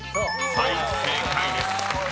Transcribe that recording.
［はい正解です］